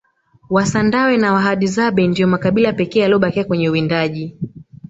wasandawe na wahadzabe ndiyo makabila pekee yaliyobakia kwenye uwindaji